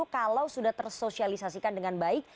kalau sudah tersosialisasikan dengan baik